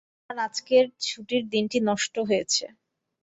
তাঁর আজকের ছুটির দিনটি নষ্ট হয়েছে।